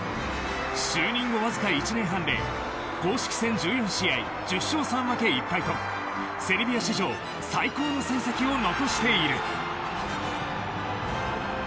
就任後わずか１年半で公式戦１４試合１０勝３分け１敗とセルビア史上最高の戦績を残している。